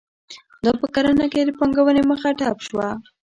دا په کرنه کې د پانګونې مخه ډپ شوه.